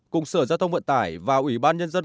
cùng sở giao thông vận tải và ủy ban nhân dân